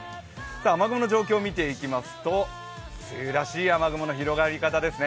雨雲の状況を見ていきますと梅雨らしい雨雲の広がり方ですね。